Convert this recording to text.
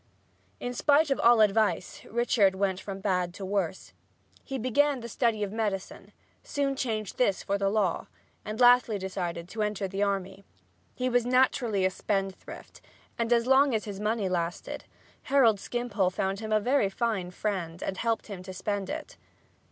In spite of all advice Richard went from bad to worse. He began the study of medicine, soon changed this for law, and lastly decided to enter the army. He was naturally a spendthrift, and as long as his money lasted Harold Skimpole found him a very fine friend and helped him spend it.